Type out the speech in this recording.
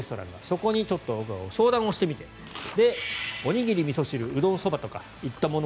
そこに相談をしてみておにぎり、みそ汁うどん、そばといったもの